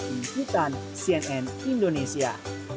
ingkitan cnn indonesia